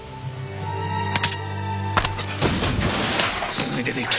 すぐに出ていく。